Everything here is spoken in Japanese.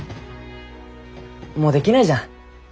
もうできないじゃん